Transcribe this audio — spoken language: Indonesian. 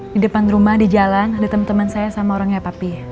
di depan rumah di jalan ada teman teman saya sama orangnya papi